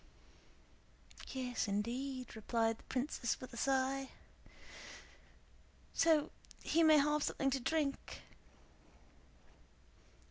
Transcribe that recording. "Yes, indeed," replied the princess with a sigh. "So he may have something to drink?"